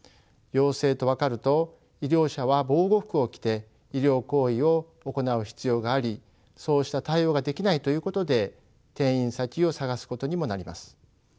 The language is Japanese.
陽性と分かると医療者は防護服を着て医療行為を行う必要がありそうした対応ができないということで転院先を探すことにもなります。